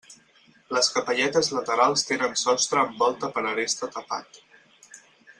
Les capelletes laterals tenen sostre amb volta per aresta tapat.